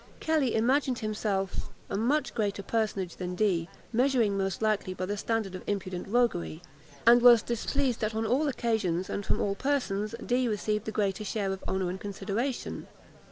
Kelly imagined himself a much greater personage than Dee; measuring, most likely, by the standard of impudent roguery; and was displeased that on all occasions, and from all persons, Dee received the greater share of honour and consideration.